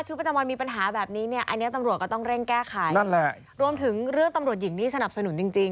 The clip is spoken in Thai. คือมันเป็นความละเอียดอ่อน